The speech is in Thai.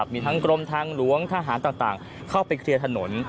มีทั้งกรมทางหลวงทหารต่างเข้าไปเคลียร์ถนน